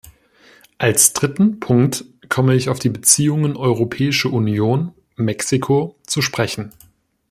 Als dritten Punkt komme ich auf die Beziehungen Europäische Union-Mexiko zu sprechen.